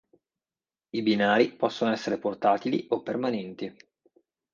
I binari possono essere portatili o permanenti.